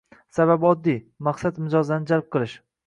Sababi oddiy - maqsad mijozlarni jalb qilish